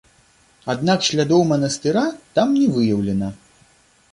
Аднак слядоў манастыра там не выяўлена.